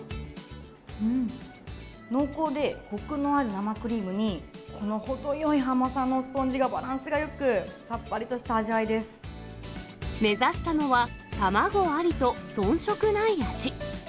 濃厚で、こくのある生クリームに、このほどよい甘さのスポンジがバランスよく、さっぱりとした味わ目指したのは、卵ありと遜色ない味。